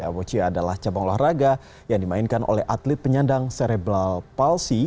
bochia adalah cabang olahraga yang dimainkan oleh atlet penyandang cerebral palsy